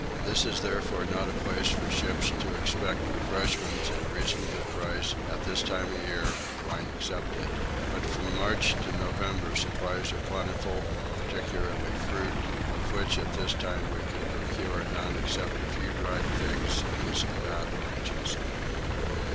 This is therefore not a place for ships to expect refreshments at a reasonable price at this time of the year, wine excepted; but from March to November supplies are plentiful, particularly fruit, of which at this time we could procure none except a few dried figs and some bad oranges.